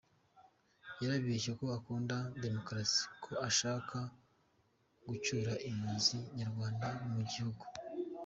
Yarabeshye ko akunda demokarasi, ko ashaka gucyura impunzi nyarwanda mu gihugu.